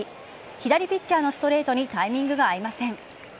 左ピッチャーのストレートにタイミングが合いません。